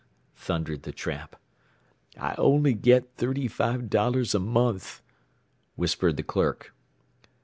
thundered the tramp. "I only get thirty five dollars a month," whispered the clerk.